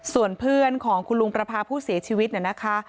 ส่วนเพื่อนของคุณลุงประพาผู้เสียชีวิตเนี่ยนะคะ